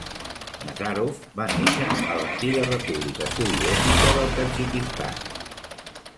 Nazarov va néixer a la Antiga República Soviètica del Tadjikistan.